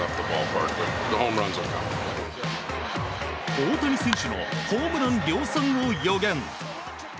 大谷選手のホームラン量産を予言。